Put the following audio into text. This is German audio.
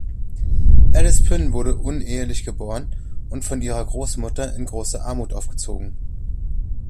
Alice Prin wurde unehelich geboren und von ihrer Großmutter in großer Armut aufgezogen.